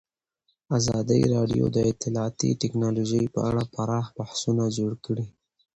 ازادي راډیو د اطلاعاتی تکنالوژي په اړه پراخ بحثونه جوړ کړي.